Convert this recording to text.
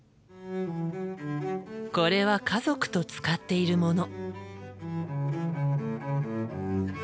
これは家族と使っているもの。